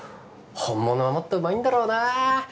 本物はもっとうまいんだろうなああ